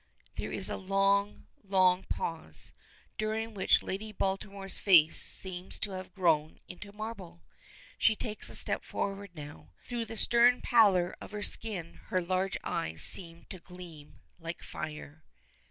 There is a long, long pause, during which Lady Baltimore's face seems to have grown into marble. She takes a step forward now. Through the stern pallor of her skin her large eyes seem to gleam like fire.